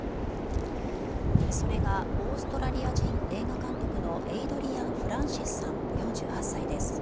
それがオーストラリア人映画監督のエイドリアン・フランシスさん４８歳です。